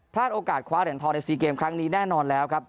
พลาดโอกาสคว้าเด่นทองในซีเกมครั้งนี้แน่นอนแล้วครับ